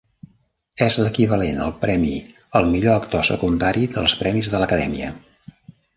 És l'equivalent al premi al millor actor secundari dels premis de l'acadèmia.